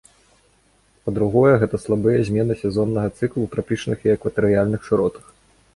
Па-другое, гэта слабыя змены сезоннага цыклу ў трапічных і экватарыяльных шыротах.